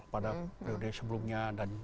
pada prioritas sebelumnya